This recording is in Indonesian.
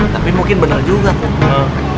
tapi mungkin benar juga kok